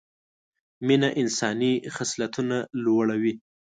مینه انساني خصلتونه لوړه وي